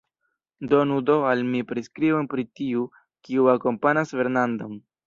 Donu do al mi priskribon pri tiu, kiu akompanas Fernandon.